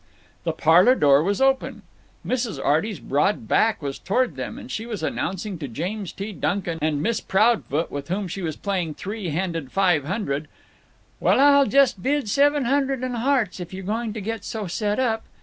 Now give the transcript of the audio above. The parlor door was open. Mrs. Arty's broad back was toward them, and she was announcing to James T. Duncan and Miss Proudfoot, with whom she was playing three handed Five Hundred, "Well, I'll just bid seven on hearts if you're going to get so set up."